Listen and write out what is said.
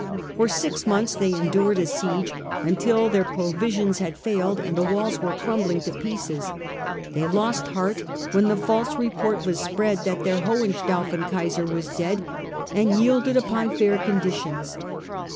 For six months they endured a siege, until their pro visions had failed and the walls were crumbling to pieces. They lost heart when the false report was spread that their Hohenstaufen Kaiser was dead, and yielded upon fair conditions.